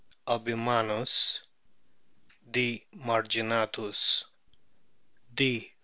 albimanus, D. marginatus, D.